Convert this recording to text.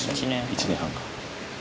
１年半か。